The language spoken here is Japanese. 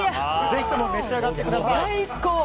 ぜひとも召し上がってください。